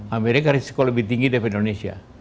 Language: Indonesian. amerika risiko lebih tinggi daripada indonesia